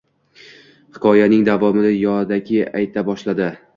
Hikoyaning davomini yodaki ayta boshladi